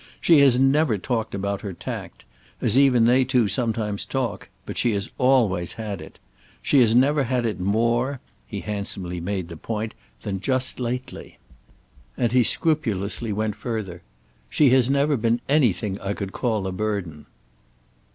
She has never talked about her tact—as even they too sometimes talk; but she has always had it. She has never had it more"—he handsomely made the point—"than just lately." And he scrupulously went further. "She has never been anything I could call a burden."